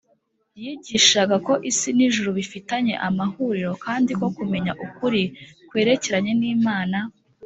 yigishaga ko isi n’ijuru bifitanye amahuriro kandi ko kumenya ukuri kwerekeranye n’imana